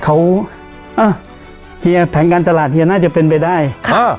เขาอ่ะเฮียแผนการตลาดเฮียน่าจะเป็นไปได้ค่ะอ่า